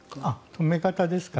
止め方ですか？